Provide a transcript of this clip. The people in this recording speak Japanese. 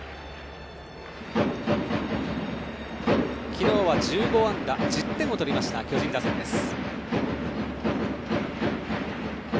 昨日は１５安打１０点を取りました巨人打線です。